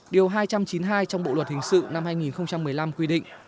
điều hai trăm chín mươi hai trong bộ luật hình sự năm hai nghìn một mươi năm quy định